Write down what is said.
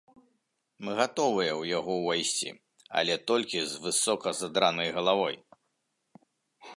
Мы гатовыя ў яго ўвайсці, але толькі з высока задранай галавой.